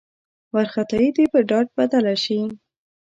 وارخطايي دې په ډاډ بدله شي.